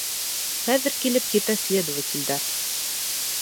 Хәҙер килеп етә следователдәр.